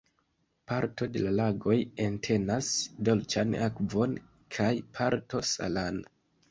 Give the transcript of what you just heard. Parto de la lagoj entenas dolĉan akvon kaj parto salan.